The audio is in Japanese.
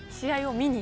見に。